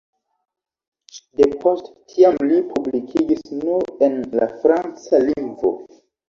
Depost tiam li publikigis nur en la franca lingvo.